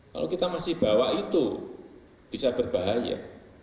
kalau kita masih bawa itu bisa berbahaya